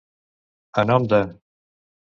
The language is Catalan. A nom de.